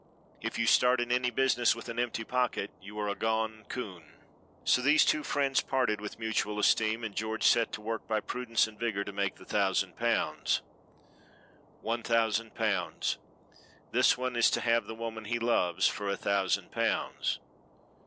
"If you start in any business with an empty pocket you are a gone coon." So these two friends parted with mutual esteem, and George set to work by prudence and vigor to make the thousand pounds. One thousand pounds! This one is to have the woman he loves for a thousand pounds.